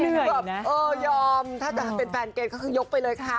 เหนื่อยนะอ่อยอมถ้าจะเป็นแฟนเกรทเขาคือยกไปเลยค่ะ